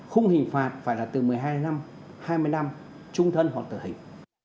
khung hình phạt phải là từ một mươi hai năm hai mươi năm trung thân hoặc tử hình